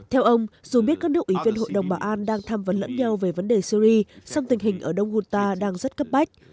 theo ông dù biết các nước ủy viên hội đồng bảo an đang tham vấn lẫn nhau về vấn đề syri song tình hình ở đông ta đang rất cấp bách